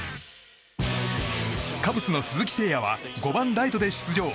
カブスの鈴木誠也は５番ライトで出場。